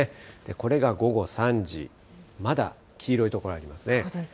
これが午後３時、まだ黄色い所ありますね。